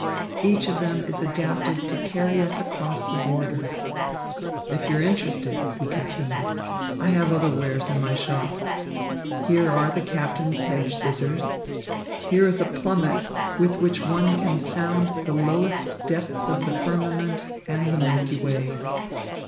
Each of them is adapted to carry us across the border. If you are interested," he continued, "I have other wares in my shop. Here are the captain's hedge scissors, here is a plummet with which one can sound the lowest depths of the firmament and the Milky Way.